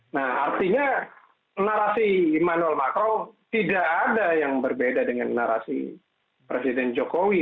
nah artinya narasi emmanuel makro tidak ada yang berbeda dengan narasi presiden jokowi